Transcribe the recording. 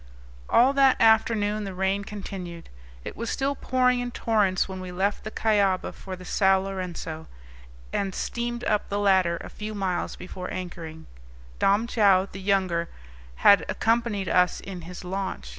All that afternoon the rain continued. It was still pouring in torrents when we left the Cuyaba for the Sao Lourenco and steamed up the latter a few miles before anchoring; Dom Joao the younger had accompanied us in his launch.